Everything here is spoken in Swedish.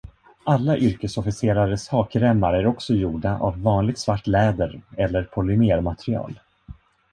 Alla yrkesofficerares hakremmar är också gjorda av vanligt svart läder eller polymermaterial.